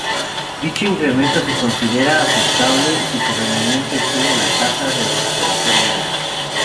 Dicho incremento se considera aceptable si su rendimiento excede la tasa de recuperación mínima.